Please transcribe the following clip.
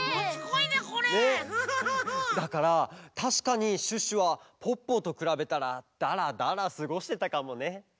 だからたしかにシュッシュはポッポとくらべたらダラダラすごしてたかもね。